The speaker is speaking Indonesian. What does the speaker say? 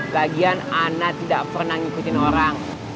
bagian ana tidak pernah ngikutin orang